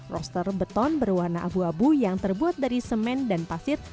roster beton berwarna abu abu yang terbuat dari semen dan pasir